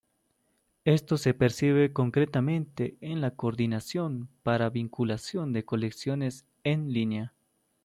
Esto se percibe concretamente en la coordinación para vinculación de colecciones "en línea".